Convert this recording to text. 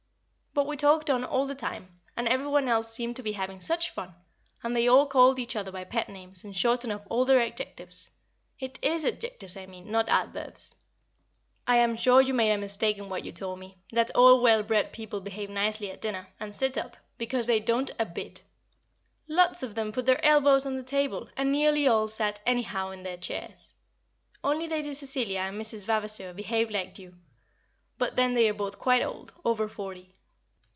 But we talked on all the time, and every one else seemed to be having such fun, and they all call each other by pet names, and shorten up all their adjectives (it is adjectives I mean, not adverbs). I am sure you made a mistake in what you told me, that all well bred people behave nicely at dinner, and sit up, because they don't a bit; lots of them put their elbows on the table, and nearly all sat anyhow in their chairs. Only Lady Cecilia and Mrs. Vavaseur behaved like you; but then they are both quite old over forty.